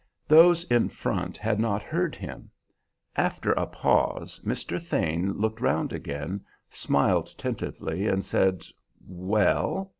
Those in front had not heard him. After a pause Mr. Thane looked round again, smiled tentatively, and said, "Well?"